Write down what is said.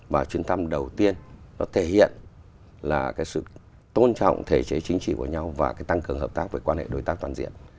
và chuyến thăm đầu tiên nó thể hiện là cái sự tôn trọng thể chế chính trị của nhau và cái tăng cường hợp tác với quan hệ đối tác toàn diện